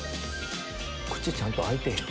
口ちゃんと開いてへん。